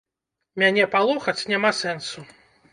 Мяне палохаць няма сэнсу.